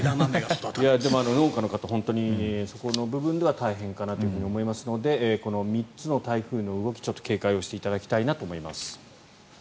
でも、農家の方そこの部分では大変かなと思いますのでこの３つの台風の動き警戒していただきたいなと思います。